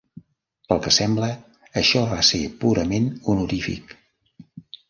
Pel que sembla això va ser purament honorífic.